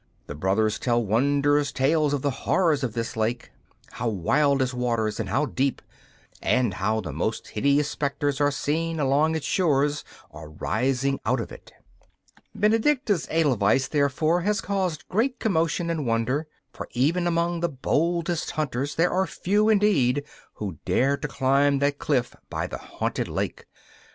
The brothers tell wondrous tales of the horrors of this lake how wild its waters and how deep, and how the most hideous spectres are seen along its shores or rising out of it. Benedicta's edelweiss, therefore, has caused great commotion and wonder, for even among the boldest hunters there are few, indeed, who dare to climb that cliff by the haunted lake.